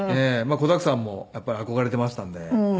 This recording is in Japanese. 子だくさんもやっぱり憧れていましたんで。